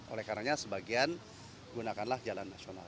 oleh karena sebagian gunakanlah jalan nasional